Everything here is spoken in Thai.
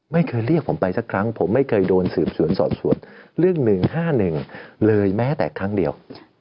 ไม่เคยเรียกผมไปสักครั้งผมไม่เคยโดนสืบสวนสอบสวนเรื่อง๑๕๑เลยแม้แต่ครั้งเดียว